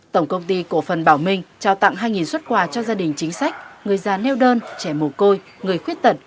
tổng công ty cổ phần bảo minh trao tặng hai xuất quà cho gia đình chính sách người già neo đơn trẻ mù côi người khuyết tật